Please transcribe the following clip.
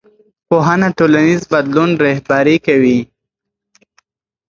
پوهنه ټولنیز بدلون رهبري کوي